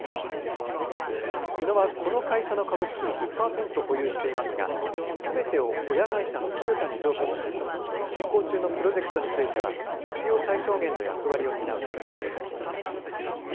日野は、この会社の株式を１０パーセント保有していますがすべてを親会社のトヨタに譲渡し進行中のプロジェクトについては必要最小限の役割を担うということです。